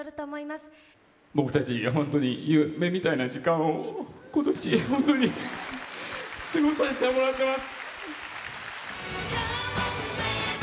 僕たち本当に夢みたいな時間を今年、本当に過ごさせてもらってます。